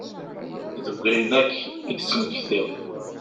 Deg wayen akk i d-ttmektiɣ.